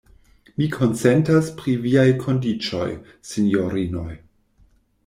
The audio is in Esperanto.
Mi konsentas pri viaj kondiĉoj, sinjorinoj.